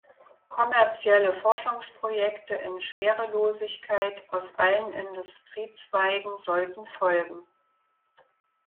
Kommerzielle Forschungsprojekte in Schwerelosigkeit aus allen Industriezweigen sollten folgen.